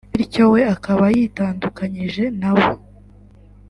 bityo we akaba “yitandukanyije na bo”